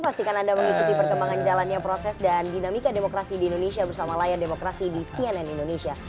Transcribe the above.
pastikan anda mengikuti perkembangan jalannya proses dan dinamika demokrasi di indonesia bersama layar demokrasi di cnn indonesia